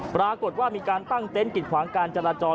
ปรากฏว่ามีการตั้งเต็นต์กิดขวางการจราจร